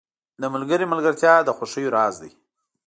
• د ملګري ملګرتیا د خوښیو راز دی.